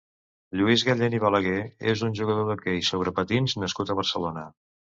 Lluís Gallén i Balaguer és un jugador d'hoquei sobre patins nascut a Barcelona.